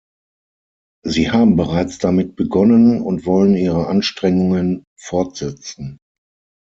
Sie haben bereits damit begonnen und wollen ihre Anstrengungen fortsetzen.